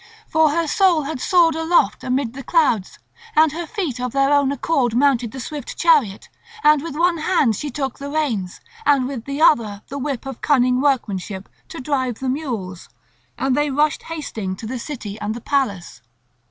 For her soul had soared aloft amid the clouds. And her feet of their own accord mounted the swift chariot, and with one hand she took the reins, and with the other the whip of cunning workmanship, to drive the mules; and they rushed hasting to the city and the palace.